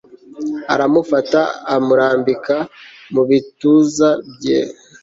aramufata amurambika mubituza bye